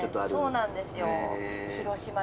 そうなんですよ。